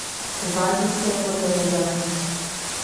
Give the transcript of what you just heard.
Uvádí se jako zemědělec.